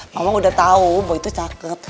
mama udah tau boy tuh cakep